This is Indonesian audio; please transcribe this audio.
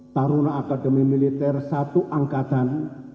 taruna akademi militer satu angkatan